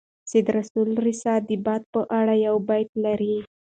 سید رسول رسا د باد په اړه یو بیت لري.